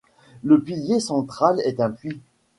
Le pilier central est un puits.